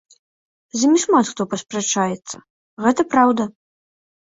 З імі шмат хто паспрачаецца, гэта праўда.